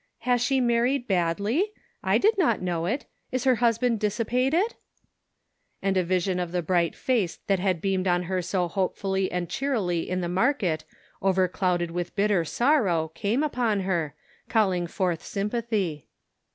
" Has she married badly ? I did not know it. Is her hus band dissipated ?" And a vision of the bright face that had beamed on her so hopefully and cheerily in the market, overclouded with bitter sorrow, came upon her, calling forth sympathy.